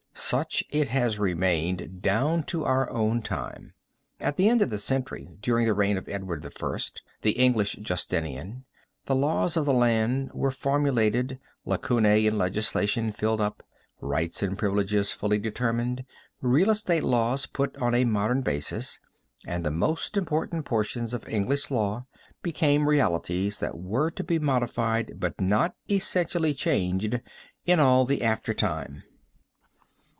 Such it has remained down to our own time. At the end of the century, during the reign of Edward I, the English Justinian, the laws of the land were formulated, lacunae in legislation filled up, rights and privileges fully determined, real estate laws put on a modern basis, and the most important portions of English law became realities that were to be modified but not essentially changed in all the after time.